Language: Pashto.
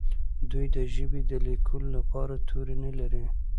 دوی د ژبې د لیکلو لپاره توري نه لري.